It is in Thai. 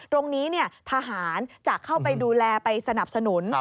ตรงนี้ทหารจะเข้าไปดูแลไปสนับสนุน